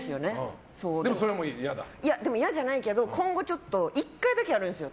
嫌じゃないけど今後１回だけあるんですよ。